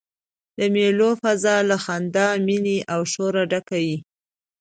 د مېلو فضاء له خندا، میني او شوره ډکه يي.